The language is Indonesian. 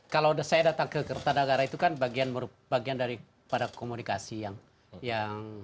kalau saya datang ke kertanegara itu kan bagian daripada komunikasi yang